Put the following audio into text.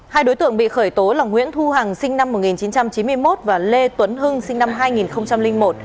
hai đối tượng bị khởi tố là nguyễn thu hằng sinh năm một nghìn chín trăm chín mươi một và lê tuấn hưng sinh năm hai nghìn một